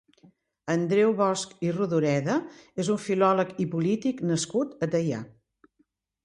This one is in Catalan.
Andreu Bosch i Rodoreda és un filòleg i polític nascut a Teià.